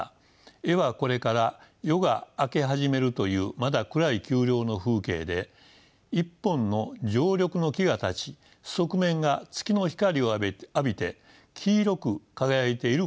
絵はこれから夜が明け始めるというまだ暗い丘陵の風景で１本の常緑の木が立ち側面が月の光を浴びて黄色く輝いている構図です。